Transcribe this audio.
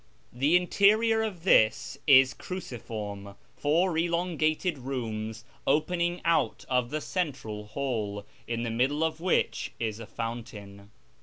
The interior of this is cruciform, four elongated rooms opening out of the central hall, in the middle of which is a fountain.